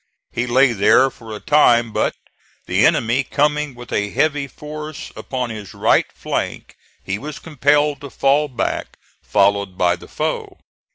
He lay here for a time, but the enemy coming with a heavy force upon his right flank, he was compelled to fall back, followed by the foe.